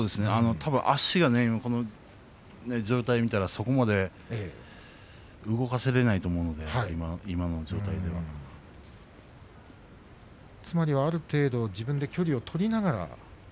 たぶん、足が状態を見たらそこまで動かすことができないと思うので今の状態では。つまりはある程度自分で距離を取りながら。